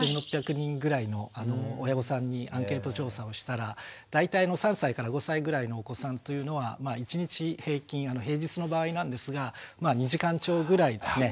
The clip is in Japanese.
１，６００人ぐらいの親御さんにアンケート調査をしたら大体３歳５歳ぐらいのお子さんというのは１日平均平日の場合なんですが２時間超ぐらいですね